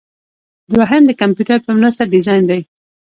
دوهم د کمپیوټر په مرسته ډیزاین دی.